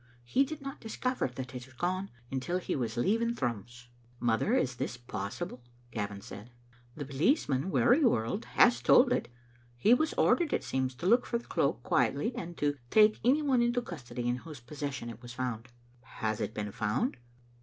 He did not discover that it was gone until he was leaving Thrums." " Mother, is this possible?" Gavin said. " The policeman, Wearyworld, has told it He was ordered, it seems, to look for the cloak quietly, and to take any one into custody in whose possession it was found." " Has it been found?"